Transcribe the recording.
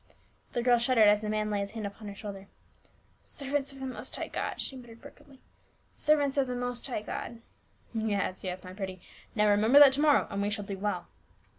The girl shuddered as the man laid his hand upon her shoulder, "Servants of the most high God," she muttered brokenly, " Servants of the most high God !"" Yes, yes, my pretty, now remember that to morrow and we shall do well."